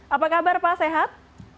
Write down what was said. apa kabar pak sehat